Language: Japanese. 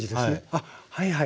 あっはいはい。